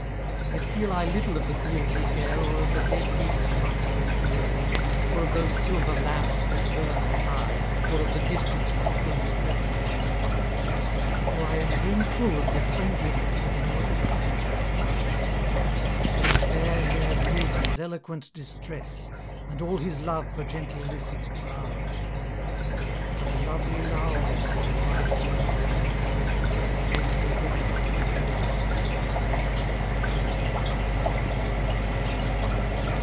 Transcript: Yet feel I little of the cool bleak air, Or of the dead leaves rustling drearily, Or of those silver lamps that burn on high, Or of the distance from home's pleasant lair: For I am brimfull of the friendliness That in a little cottage I have found; Of fair hair'd Milton's eloquent distress, And all his love for gentle Lycid drown'd; Of lovely Laura in her light green dress, And faithful Petrarch gloriously crown'd.